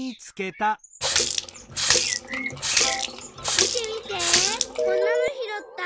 みてみてこんなのひろった！